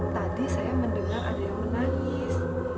tadi saya mendengar ada yang menangis